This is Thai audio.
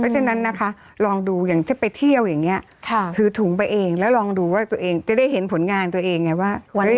ฉะนั้นนะคะลองดูอย่างเช่นไปเที่ยวอย่างนี้ถือถุงไปเองแล้วลองดูว่าตัวเองจะได้เห็นผลงานตัวเองไงว่า